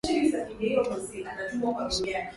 Mafuta ya kupikia viazi lishe